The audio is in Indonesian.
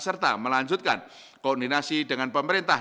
serta melanjutkan koordinasi dengan pemerintah